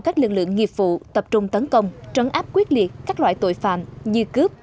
các lực lượng nghiệp vụ tập trung tấn công trấn áp quyết liệt các loại tội phạm như cướp